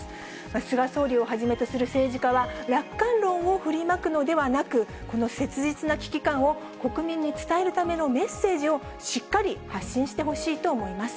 菅総理をはじめとする政治家は、楽観論をふりまくのではなく、この切実な危機感を国民に伝えるためのメッセージをしっかり発信してほしいと思います。